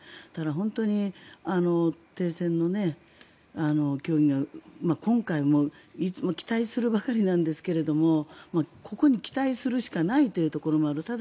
ただ、本当に停戦の協議が今回も期待するばかりなんですけどもここに期待するしかないというところもある。